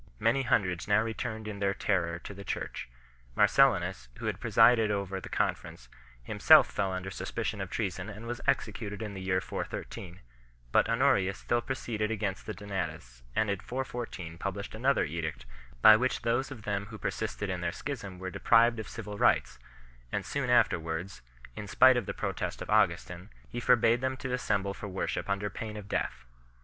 Many hundreds now returned in their terror to the Church. Marcellinus, who had presided over the Conference, him self fell under suspicion of treason and was executed in the year 413, but Honorius still proceeded against the Donatists ; and in 414 published another edict by which those of them who persisted in their schism were de prived of civil rights; and soon afterwards, in spite of the protest of Augustin, he forbade them to assemble for worship under pain of death *.